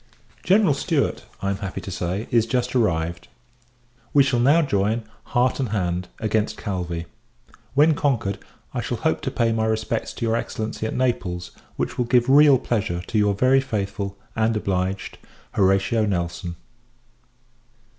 General Stewart, I am happy to say, is just arrived. We shall now join, heart and hand, against Calvi. When conquered, I shall hope to pay my respects to your Excellency at Naples; which will give real pleasure to your very faithful, and obliged, HORATIO NELSON.